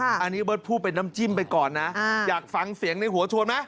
อันนี้เบิร์ตพูดเป็นน้ำจิ้มไปก่อนนะอยากฟังเสียงในหัวชวนไหม